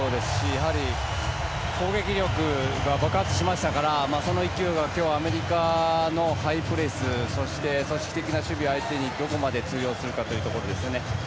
やはり攻撃力が爆発しましたからその勢いが今日、アメリカのハイプレスそして、組織的な守備を相手にどこまで通用するかですね。